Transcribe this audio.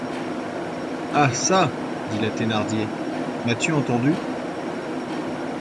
Ah çà! dit la Thénardier, m’as-tu entendue?